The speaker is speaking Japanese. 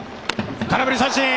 空振り三振。